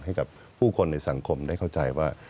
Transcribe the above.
ให้กับผู้คนในสังคมได้เข้าใจว่า